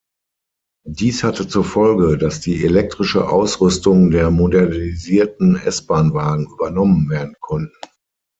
Dies hatte zur Folge, dass die elektrische Ausrüstung der modernisierten S-Bahn-Wagen übernommen werden konnten.